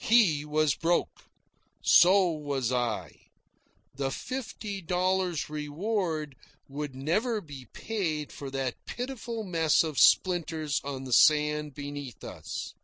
He was broke. So was I. The fifty dollars reward would never be paid for that pitiful mess of splinters on the sand beneath us.